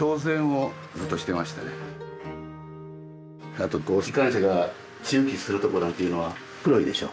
あと機関車が駐機するとこなんていうのは黒いでしょ。